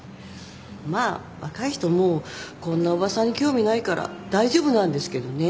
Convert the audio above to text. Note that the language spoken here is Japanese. まあ若い人もこんなおばさんに興味ないから大丈夫なんですけどね。